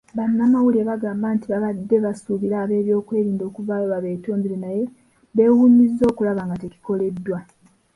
Bannamawulire bagamba nti babadde basuubira ab'ebyokwerinda okuvaayo babeetondere naye beewuunyizza okulaba nga tekikoleddwa.